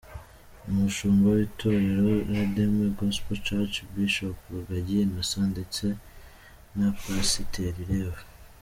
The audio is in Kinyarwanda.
Umushumba w’itorero Redeemed Gospel Church Bishop Rugagi Innocent ndetse na Pasiteri Rev.